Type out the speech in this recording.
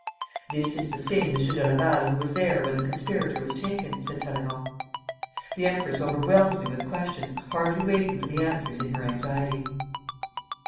'This is the same Monsieur de Laval who was there when the conspirator was taken,' said Talleyrand. The Empress overwhelmed me with questions, hardly waiting for the answers in her anxiety.